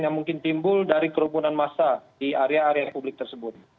yang mungkin timbul dari kerumunan massa di area area publik tersebut